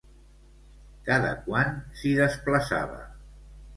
Cada quant s'hi desplaçava?